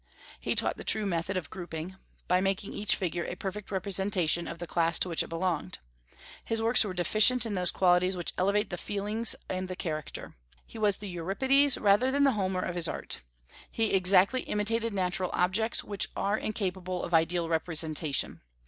He taught the true method of grouping, by making each figure the perfect representation of the class to which it belonged. His works were deficient in those qualities which elevate the feelings and the character. He was the Euripides rather than the Homer of his art. He exactly imitated natural objects, which are incapable of ideal representation.